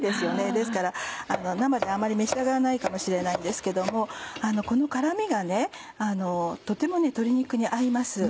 ですから生であまり召し上がらないかもしれないんですけどもこの辛みがとても鶏肉に合います。